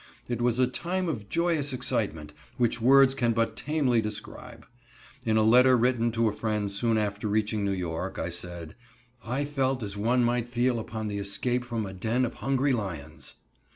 It was a time of joyous excitement which words can but tamely describe. In a letter written to a friend soon after reaching New York, I said: "I felt as one might feel upon escape from a den of hungry lions."